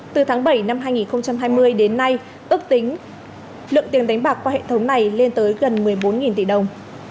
từ tháng bảy năm hai nghìn hai mươi đến nay ước tính lượng tiền đánh bạc qua hệ thống này lên tới gần một mươi bốn tỷ đồng